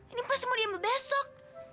ini mpa semua diam besok